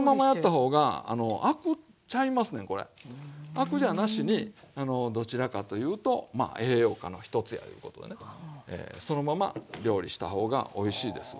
アクじゃなしにどちらかというとまあ栄養価の一つやいうことでねそのまま料理した方がおいしいですわ。